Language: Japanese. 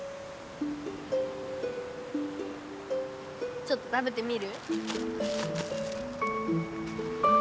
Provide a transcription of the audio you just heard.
ちょっと食べてみる？